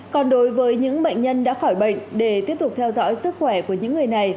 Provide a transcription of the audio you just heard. còn đối với những bệnh nhân đã khỏi bệnh để tiếp tục theo dõi sức khỏe của những người này